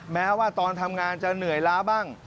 แม้ว่าตอนทำงานจะเหนื่อยล้าบ้าง